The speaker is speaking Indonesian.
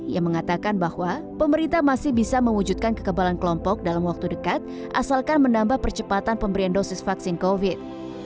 yang mengatakan bahwa pemerintah masih bisa mewujudkan kekebalan kelompok dalam waktu dekat asalkan menambah percepatan pemberian dosis vaksin covid